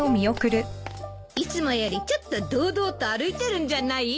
いつもよりちょっと堂々と歩いてるんじゃない？